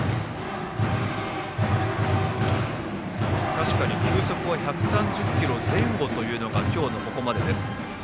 確かに球速は１３０キロ前後というのが今日のここまでです。